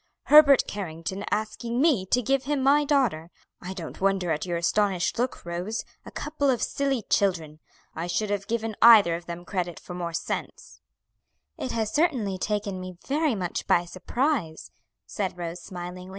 Herbert Carrington asking me to give him my daughter! I don't wonder at your astonished look, Rose; a couple of silly children. I should have given either of them credit for more sense." "It has certainly taken me very much by surprise," said Rose, smiling.